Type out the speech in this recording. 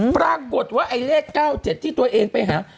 ปรากฏว่าไอ้เลข๙๗ที่ตัวเองไปหา